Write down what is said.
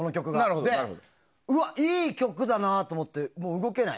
で、うわ、いい曲だなと思って動けない。